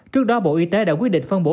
trước đó bộ y tế đã quyết định phân bổ